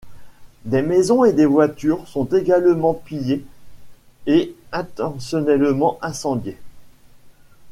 Des maisons et des voitures sont également pillées et intentionnellement incendiées.